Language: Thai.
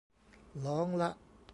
ลองละ